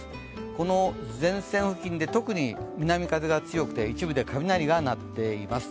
この前線で特に南風が強くて一部で雷が鳴なっています。